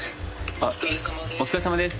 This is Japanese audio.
お疲れさまです。